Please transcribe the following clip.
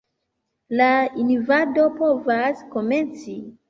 La invado povas komenci.